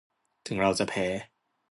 ถึงเราจะแพ้